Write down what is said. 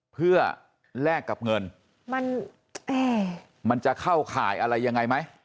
เพื่อแลกกับเงินมันมันจะเข้าข่ายอะไรยังไงไหม